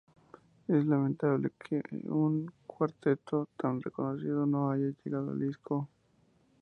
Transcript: Es lamentable que un cuarteto tan reconocido no haya llegado al disco.